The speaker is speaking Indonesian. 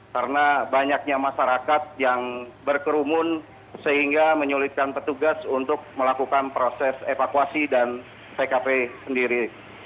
karena banyaknya masyarakat yang berkerumun sehingga menyulitkan petugas untuk melakukan proses evakuasi dan tkp sendiri